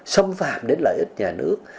xâm phạm đến lợi ích nhà nước